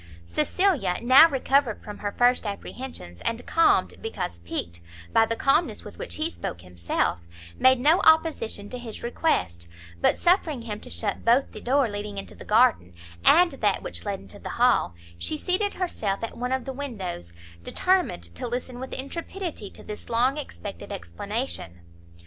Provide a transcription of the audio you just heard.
Cecilia now, recovered from her first apprehensions, and calmed, because piqued, by the calmness with which he spoke himself, made no opposition to his request, but suffering him to shut both the door leading into the garden, and that which led into the hall, she seated herself at one of the windows, determined to listen with intrepidity to this long expected explanation.